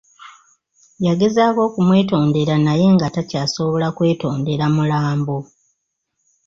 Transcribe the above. Yagezaako okumwetondera naye nga takyasobola kwetondera mulambo.